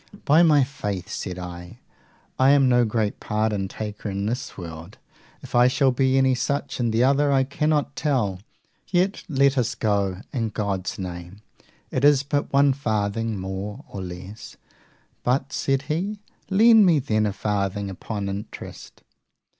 By my faith, said I, I am no great pardon taker in this world if I shall be any such in the other, I cannot tell; yet let us go, in God's name; it is but one farthing more or less; But, said he, lend me then a farthing upon interest.